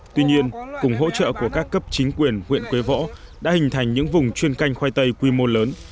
tuy nhiên cùng hỗ trợ của các cấp chính quyền huyện quế võ đã hình thành những vùng chuyên canh khoai tây quy mô lớn